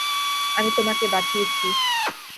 আমি তোমাকে বাঁচিয়েছি।